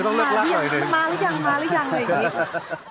มาหรือยังมาหรือยังอะไรอย่างนี้